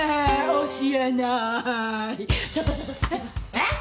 えっ？